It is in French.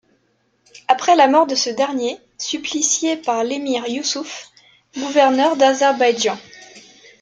Après la mort de ce dernier, supplicié par l'émir Yousouf, gouverneur d'Azerbaïdjan.